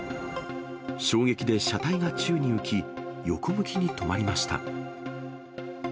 衝撃で車体が宙に浮き、横向きに止まりました。